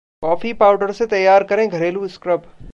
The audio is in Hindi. कॉफी पाउडर से तैयार करें घरेलू स्क्रब...